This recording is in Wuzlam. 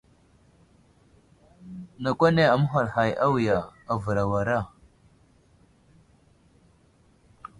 Nakw ane aməhwal hay awiya, avər awara.